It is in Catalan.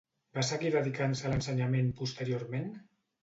Va seguir dedicant-se a l'ensenyament posteriorment?